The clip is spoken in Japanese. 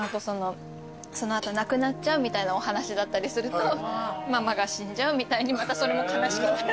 その後亡くなっちゃうみたいなお話だったりするとママが死んじゃうみたいにまたそれも悲しくなる。